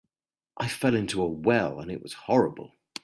I fell into a well and it was horrible.